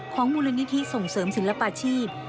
มูลนิธิส่งเสริมศิลปาชีพ